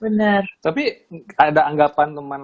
bener tapi ada anggapan temen